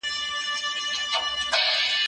خاطرې د ژوند درس دی.